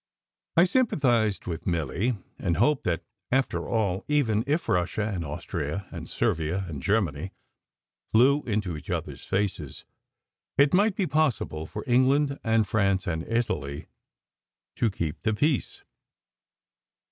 I sympathized with Milly; and hoped that, after all, even if Russia and Austria and Servia and Germany flew in each others faces, it might be possible for England and France and Italy to keep the peace.